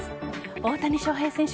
大谷翔平選手